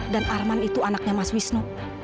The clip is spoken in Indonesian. dan arman itu anaknya mas wisnu